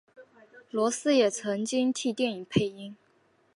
罗斯也曾经替电影配音。